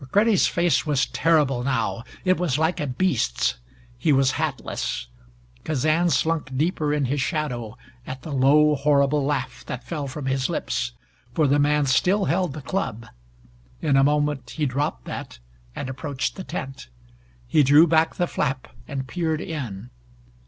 McCready's face was terrible now. It was like a beast's. He was hatless. Kazan slunk deeper in his shadow at the low horrible laugh that fell from his lips for the man still held the club. In a moment he dropped that, and approached the tent. He drew back the flap and peered in.